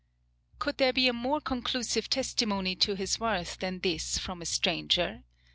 Could there be a more conclusive testimony to his worth than this from a stranger?